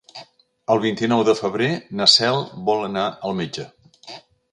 El vint-i-nou de febrer na Cel vol anar al metge.